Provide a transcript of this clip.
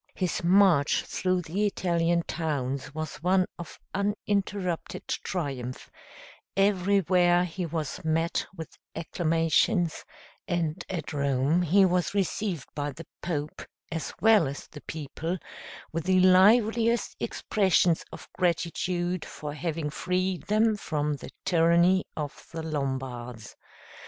His march through the Italian towns was one of uninterrupted triumph; everywhere he was met with acclamations, and at Rome he was received by the Pope, as well as the people, with the liveliest expressions of gratitude for having freed them from the tyranny of the Lombards.